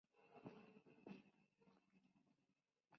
Edición especial para discotecas".